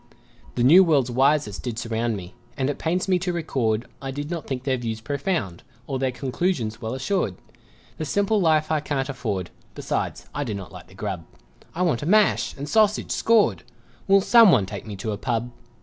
The new world's wisest did surround Me; and it pains me to record I did not think their views profound, Or their conclusions well assured; The simple life I can't afford, Besides, I do not like the grub I wait a mash and sausage, "scored" Will someone take me to a pub?